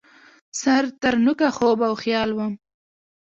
سر ترنوکه خوب او خیال وم